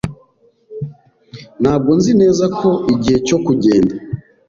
Ntabwo nzi neza ko igihe cyo kugenda.